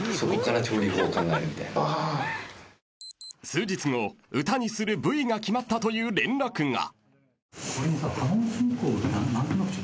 ［数日後歌にする部位が決まったという連絡が］